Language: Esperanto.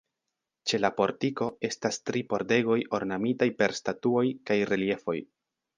Ĉe la portiko estas tri pordegoj ornamitaj per statuoj kaj reliefoj.